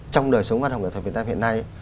trong đời sống văn học nghệ thuật việt nam hiện nay